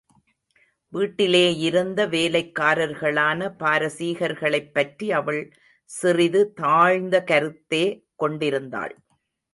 வீட்டிலேயிருந்த வேலைக்காரர்களான பாரசீகர்களைப் பற்றி அவள் சிறிது தாழ்ந்த கருத்தே கொண்டிருந்தாள்.